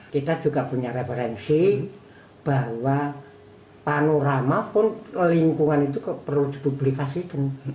kita juga punya referensi bahwa panorama pun lingkungan itu perlu dipublikasikan